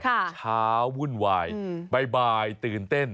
เช้าวุ่นวายบ่ายตื่นเต้น